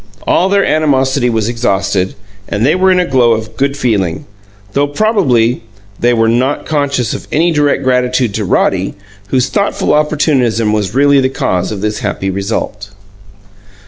All their animosity was exhausted, and they were in a glow of good feeling, though probably they were not conscious of any direct gratitude to Roddy, whose thoughtful opportunism was really the cause of this happy result.